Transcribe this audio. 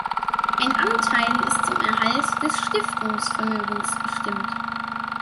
Ein Anteil ist zum Erhalt des Stiftungsvermögens bestimmt.